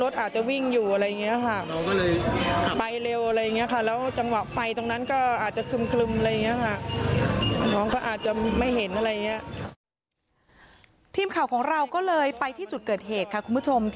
ทีมข่าวของเราก็เลยไปที่จุดเกิดเหตุค่ะคุณผู้ชม